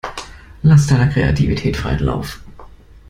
Lass deiner Kreativität freien Lauf.